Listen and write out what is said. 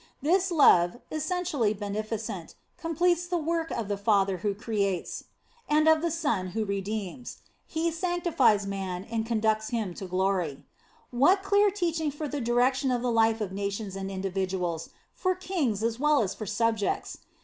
This Love, essentially beneficent, completes the work of the Father who creates, and of the 8o The Sign of the Cross Son who redeems; He sanctifies man and conducts him to glory What clear teaching for the direction of the life of nations and individuals ; tor kings as well as for subjects!